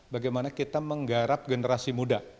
bagaimana kita menggarap generasi muda